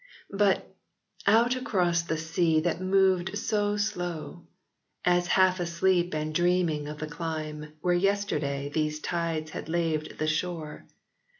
But, out across the sea that moved so slow, As half asleep and dreaming of the clime Where yesterday these tides had laved the shore.